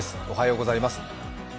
おはようございます。